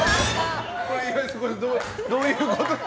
どういうこと？